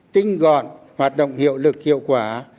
tinh gọn hoạt động hiệu lực hiệu quả